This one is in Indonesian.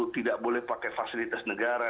tidak boleh pakai fasilitas negara